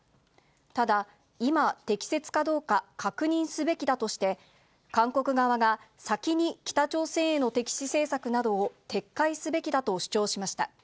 ただ、今、適切かどうか、確認すべきだとして、韓国側が先に北朝鮮への敵視政策などを撤回すべきだと主張しました。